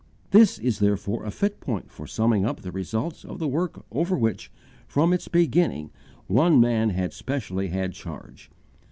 This is therefore a fit point for summing up the results of the work over which, from its beginning, one man had specially had charge.